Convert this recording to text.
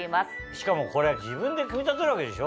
しかもこれ自分で組み立てるわけでしょ？